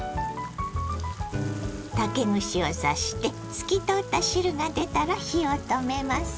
竹串を刺して透き通った汁が出たら火を止めます。